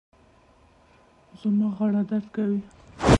زما غاړه درد کوي